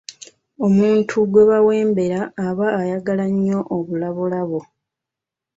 Omuntu gwe bawembera aba ayagala nnyo obulabolabo.